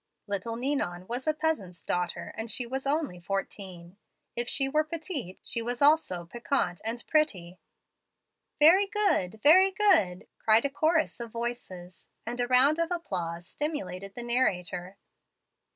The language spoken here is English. Little Ninon was a peasant's daughter, and she was only fourteen. If she were petite, she was also piquant and pretty " "Very good, very good," cried a chorus of voices; and a round of applause stimulated the narrator.